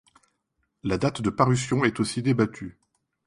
La date de parution est aussi débattue.